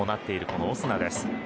このオスナです。